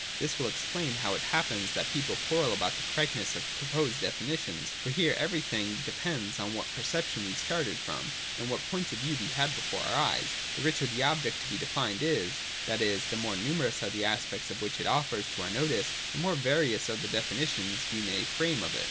This will explain how it happens that people quarrel about the correctness of pro posed definitions ; for here everything depends on what perceptions we started from, and what points of view we had before our eyes in so doing. The richer the object to 229, 230 J SCIENTIFIC METHODS. 367 be defined is, that is, the more numerous are the aspects which it offers to our notice, the more various are the defini tions we may frame of it.